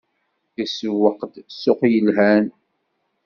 Isewweq-d ssuq yelhan.